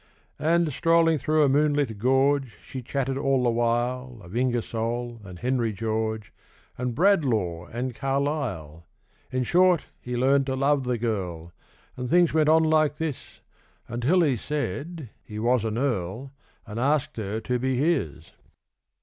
And, strolling through a moonlit gorge, She chatted all the while Of Ingersoll, and Henry George, And Bradlaugh and Carlyle: In short, he learned to love the girl, And things went on like this, Until he said he was an Earl, And asked her to be his.